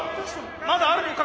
まだあるのか？